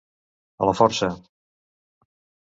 A la força.